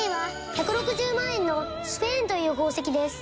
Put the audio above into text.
Ａは１６０万円のスフェーンという宝石です。